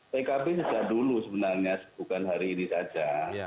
pkb sejak dulu sebenarnya bukan hari ini saja